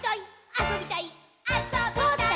「あそびたいっ！！」